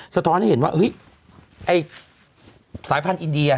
สะท้อนให้เห็นว่าสายพันธุ์อิเดีย